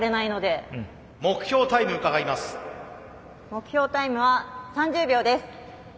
目標タイムは３０秒です。